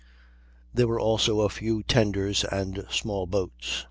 There were also a few tenders and small boats.